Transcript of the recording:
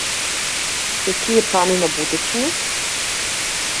Якія планы на будучыню?